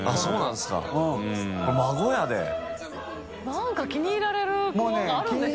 何か気に入られるものがあるんでしょうね。